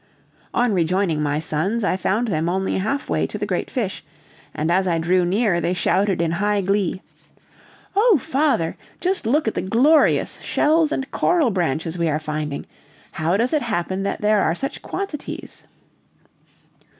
On rejoining my sons, I found them only half way to the great fish, and as I drew near they shouted in high glee: "Oh! father, just look at the glorious shells and coral branches we are finding. How does it happen that there are such quantities?"